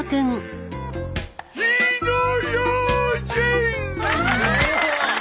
火の用心！